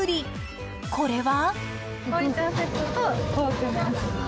これは。